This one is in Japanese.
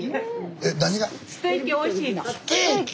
えっ何が？